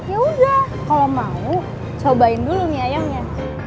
ya udah kalau mau cobain dulu nih ayamnya